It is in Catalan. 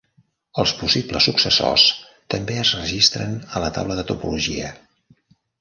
Els possibles successors també es registren a la taula de topologia.